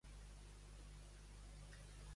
Sota quina condició interferiria la policia?